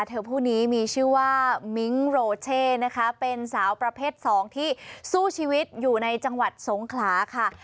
ผู้นี้มีชื่อว่ามิ้งโรเช่นะคะเป็นสาวประเภทสองที่สู้ชีวิตอยู่ในจังหวัดสงขลาค่ะ